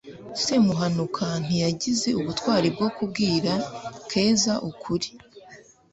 semuhanuka ntiyagize ubutwari bwo kubwira keza ukuri